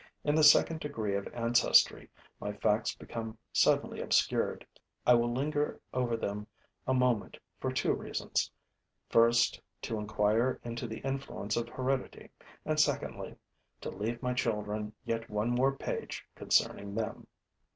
In the second degree of ancestry, my facts become suddenly obscured. I will linger over them a moment for two reasons: first, to inquire into the influence of heredity; and, secondly, to leave my children yet one more page concerning them.